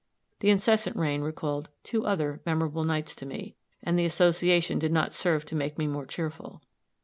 The incessant rain recalled two other memorable nights to me; and the association did not serve to make me more cheerful.